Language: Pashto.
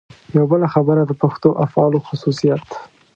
یوه بله خبره د پښتو افعالو خصوصیت.